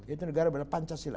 itu negara pada pancasila